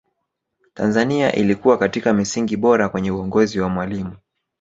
tanzania ilikuwa katika misingi bora kwenye uongozi wa mwalimu